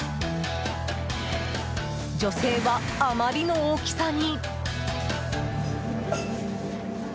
女性は、あまりの大きさに。